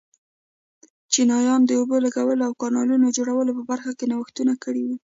چینایانو د اوبو لګولو او کانالونو جوړولو په برخه کې نوښتونه کړي وو.